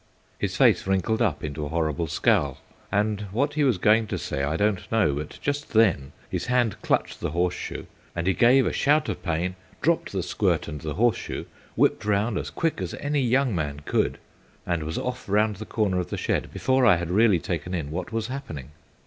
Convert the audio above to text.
His face wrinkled up into a horrible scowl, and what he was going to say I don't know, but just then his hand clutched the horseshoe and he gave a shout of pain, dropped the squirt and the horseshoe, whipped round as quick as any young man could, and was off round the corner of the shed before I had really taken in what was happening.